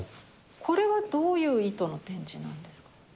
これはどういう意図の展示なんですか？